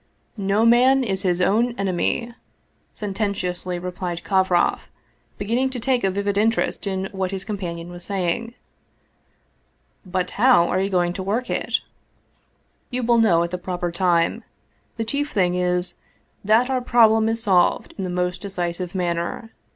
" No man is his own enemy/' sententiously replied Kovroff, beginning to take a vivid interest in what his companion was saying. " But how are you going to work it?" " You will know at the proper time. The chief thing is, that our problem is solved in the most decisive manner.